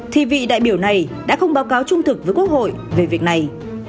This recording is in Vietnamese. thì vị đại biểu này đã không báo cáo trung thực với quốc hội về việc này